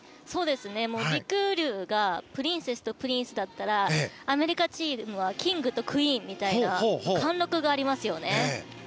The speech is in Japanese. りくりゅうがプリンセスとプリンスだったらアメリカチームはキングとクイーンみたいな貫禄がありますよね。